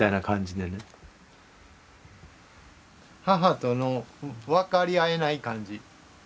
母との分かり合えない感じ。